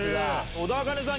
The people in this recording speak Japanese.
小田茜さん